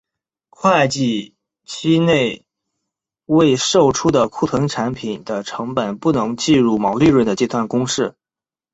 会计期内未售出的库存产品的成本不能计入毛利润的计算公式。